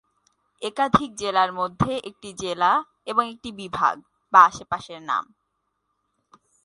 একাধিক জেলার মধ্যে একটি জেলা এবং একটি বিভাগ, বা আশেপাশের নাম।